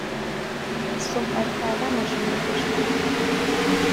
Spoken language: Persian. از صحبت کردن با شما خوشحالم.